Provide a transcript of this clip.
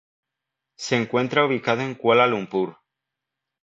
Se encuentra ubicado en Kuala Lumpur.